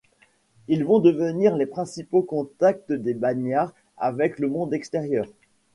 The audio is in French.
Ils vont devenir les principaux contacts des bagnards avec le monde extérieur.